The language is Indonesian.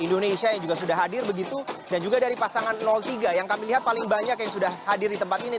indonesia yang juga sudah hadir begitu dan juga dari pasangan tiga yang kami lihat paling banyak yang sudah hadir di tempat ini